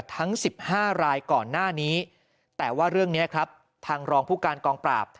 ทั้ง๑๕รายก่อนหน้านี้แต่ว่าเรื่องนี้ครับทางรองผู้การกองปราบ